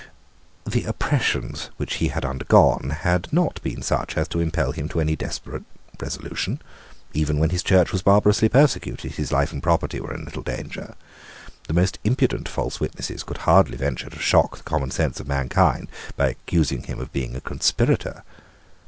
The oppressions which he had undergone had not been such as to impel him to any desperate resolution. Even when his Church was barbarously persecuted, his life and property were in little danger. The most impudent false witnesses could hardly venture to shock the common sense of mankind by accusing him of being a conspirator.